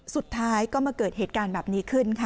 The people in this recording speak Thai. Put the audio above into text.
สุดท้ายก็มาเกิดเหตุการณ์แบบนี้ขึ้นค่ะ